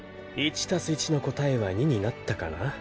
１＋１の答えは２になったかな？